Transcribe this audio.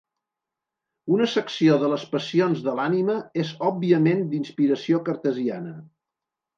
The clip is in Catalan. Una secció de les passions de l'ànima és òbviament d'inspiració cartesiana.